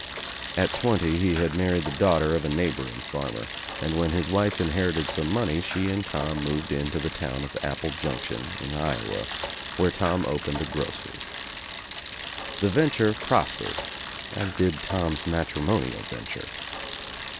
At twenty he had married the daughter of a neighboring farmer, and when his wife inherited some money she and Tom moved into the town of Apple Junction in Iowa where Tom opened a grocery. The venture prospered as did Tom's matrimonial venture.